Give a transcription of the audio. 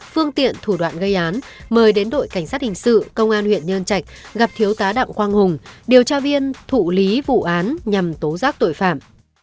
phương tiện thủ đoạn gây án mời đến đội cảnh sát hình sự công an huyện nhân trạch gặp thiếu tá đặng quang hùng điều tra viên thụ lý vụ án nhằm tố giác tội phạm